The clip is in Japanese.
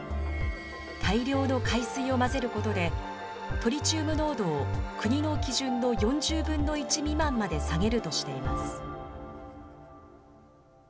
大量の海水を混ぜることで、トリチウム濃度を国の基準の４０分の１未満まで下げるとしています。